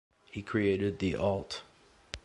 He created the alt.